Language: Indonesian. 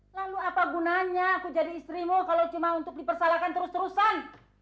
lalu apa gunanya aku jadi istrimu kalau cuma untuk dipersalahkan terus terusan